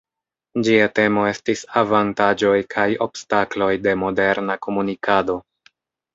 Ĝia temo estis "Avantaĝoj kaj obstakloj de moderna komunikado".